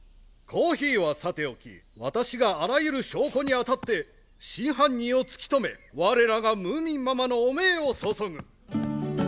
コーヒーはさておき私があらゆる証拠にあたって真犯人を突き止め我らがムーミンママの汚名をそそぐ。